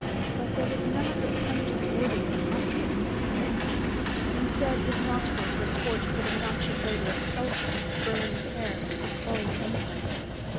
But there was none of the pungent odor of the hospital he had expected. Instead, his nostrils were scorched with a noxious odor of sulfur, burned hair and cloying incense.